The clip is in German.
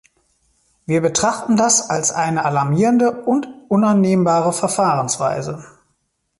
Wir betrachten das als eine alarmierende und unannehmbare Verfahrensweise.